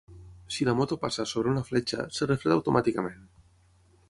Si la moto passa sobre una fletxa, es refreda automàticament.